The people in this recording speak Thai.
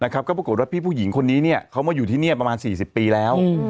ก็ปรากฏว่าพี่ผู้หญิงคนนี้เขามาอยู่ที่นี่ประมาณ๔๐ปีแล้ว